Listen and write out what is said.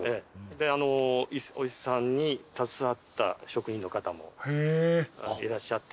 でお伊勢さんに携わった職人の方もいらっしゃってそれで。